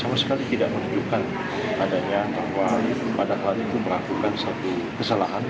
sama sekali tidak menunjukkan adanya bahwa padahal itu merakukan satu kesalahan